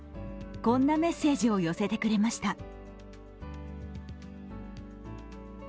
こんなメッセージを寄せてくれました。